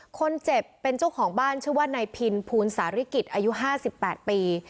คนเจ็บเป็นเจ้าของบ้านชื่อว่านายพินภูลสาริกิจอายุ๕๘ปี